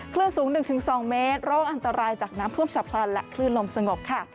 คลื่นสูง๑๒เมตรระวังอันตรายจากน้ำท่วมฉับพลันและคลื่นลมสงบค่ะ